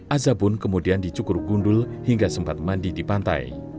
aza pun kemudian dicukur gundul hingga sempat mandi di pantai